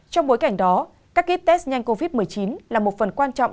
trong bối cảnh đó các ký test nhanh covid một mươi chín là một phần quan trọng